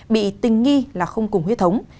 bị tình nghi là không cùng huyết thống